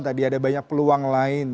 tadi ada banyak peluang lain